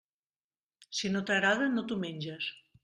Si no t'agrada, no t'ho menges.